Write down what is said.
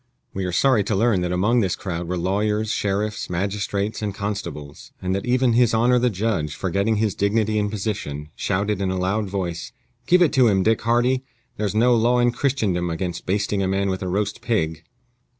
We are sorry to learn that among this crowd were lawyers, sheriffs, magistrates, and constables; and that even his honor the judge, forgetting his dignity and position, shouted in a loud voice, "Give it to him, Dick Hardy! There's no law in Christendom against basting a man with a roast pig!"